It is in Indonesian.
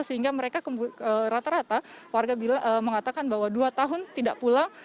sehingga mereka rata rata warga mengatakan bahwa dua tahun tidak pulang